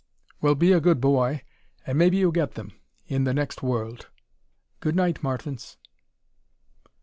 "Well, be a good boy and maybe you'll get them in the next world. Good night, Martins."